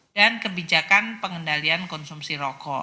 dan kebijakan pengendalian konsumsi rokok